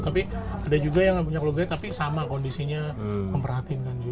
tapi ada juga yang punya keluarga tapi sama kondisinya memperhatinkan juga